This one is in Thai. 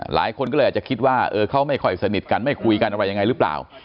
หลายคนก็เลยอาจจะคิดว่าเขาไม่ค่อยสนิทกันไม่คุยกันอะไรยังไงหรือเปล่า